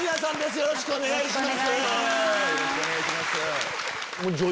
よろしくお願いします。